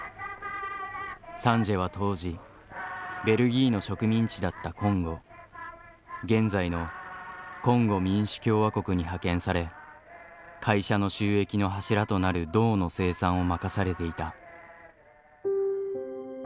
サンジエは当時ベルギーの植民地だったコンゴ現在のコンゴ民主共和国に派遣され会社の収益の柱となる銅の生産を任されていた。